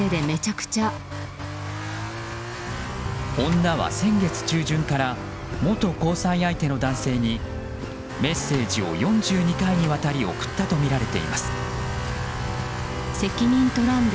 女は先月中旬から元交際相手の男性にメッセージを４２回にわたり送ったとみられています。